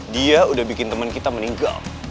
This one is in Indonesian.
dia udah bikin teman kita meninggal